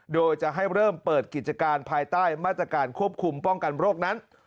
โดยจะให้เริ่มเปิดกิจการภายใต้มาตรการควบคุมป้องกันโรคนั้น